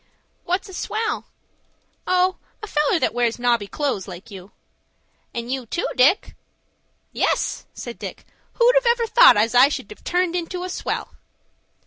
"What's a swell?" "Oh, a feller that wears nobby clothes like you." "And you, too, Dick." "Yes," said Dick, "who'd ever have thought as I should have turned into a swell?"